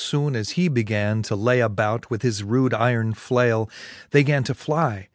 But Ibone as he began to la^ about With his rude yron flaile, they gan to flie.